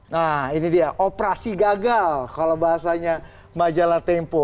nah ini dia operasi gagal kalau bahasanya majalah tempo